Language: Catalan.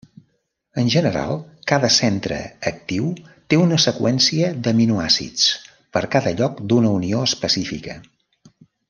En general cada centre actiu té una seqüència d'aminoàcids per cada lloc d'unió específica.